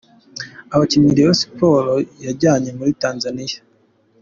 Abakinnyi Rayon Sports yajyanye muri Tanzania:.